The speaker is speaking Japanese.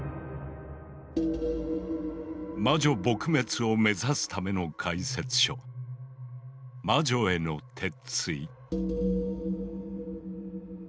魔女撲滅を目指すための解説書「魔女への鉄槌」。